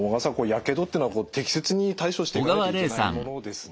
やけどっていうのは適切に対処していかないといけないものですね。